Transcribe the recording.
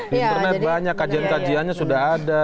di internet banyak kajian kajiannya sudah ada